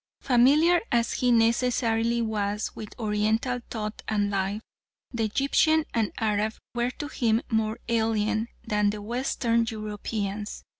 Familiar as he necessarily was with Oriental thought and life, the Egyptian and Arab were to him more alien than the Western Europeans.